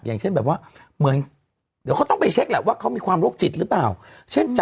เดี๋ยวเขาต้องไปเช็คล่ะว่าเขามีความโรคจิตรึเปล่า